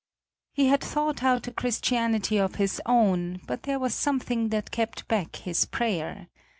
He had thought out a Christianity of his own, but there was something that kept back his prayer.